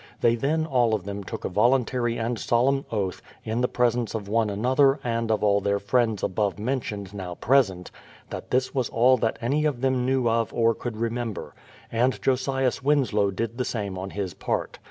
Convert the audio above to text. They then all of them took a voluntary and solemn oath, in the presence of one another and of all their friends above mentioned now present, that this was all that any of them knew of or could remember; and Josias Winslow did the same on his part.